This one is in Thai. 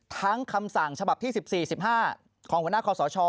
คำสั่งฉบับที่๑๔๑๕ของหัวหน้าคอสช